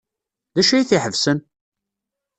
D acu ay t-iḥebsen?